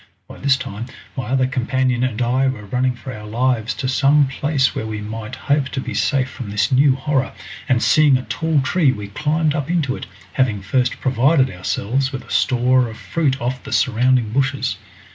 By this time my other companion and I were running for our lives to some place where we might hope to be safe from this new horror, and seeing a tall tree we climbed up into it, having first provided ourselves with a store of fruit off the surrounding bushes.